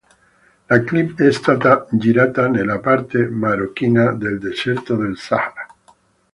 La clip è stata girata nella parte marocchina del deserto del Sahara.